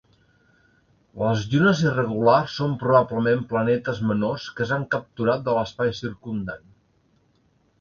Les llunes irregulars són probablement planetes menors que s'han capturat de l'espai circumdant.